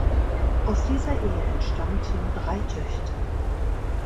Aus dieser Ehe entstammten drei Töchter.